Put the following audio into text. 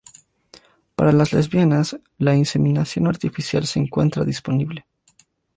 Para las lesbianas la inseminación artificial se encuentra disponible.